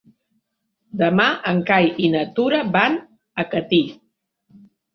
Demà en Cai i na Tura van a Catí.